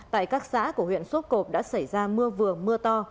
tại các xã của huyện sốt cột đã xảy ra mưa vườn mưa to